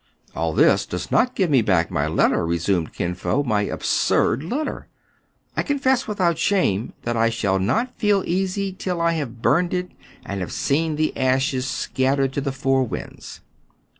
"All this does not give me back my letter,*' re sumed Kin Fo, —" my absurd letter. I confess without shame that I shall not feel easy till I have burned it, and have seen the ashes scattered to the four winds."